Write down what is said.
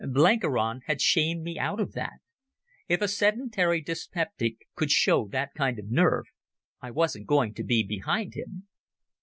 Blenkiron had shamed me out of that. If a sedentary dyspeptic could show that kind of nerve, I wasn't going to be behind him.